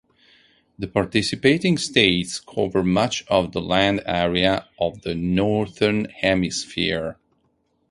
The participating states cover much of the land area of the Northern Hemisphere.